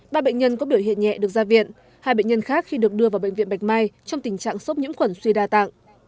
ba bệnh nhân có biểu hiện nhẹ được ra viện hai bệnh nhân khác khi được đưa vào bệnh viện bạch mai trong tình trạng sốc nhiễm khuẩn suy đa tạng